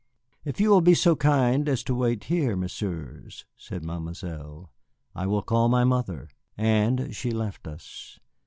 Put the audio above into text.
"If you will be so kind as to wait here, Messieurs," said Mademoiselle, "I will call my mother." And she left us.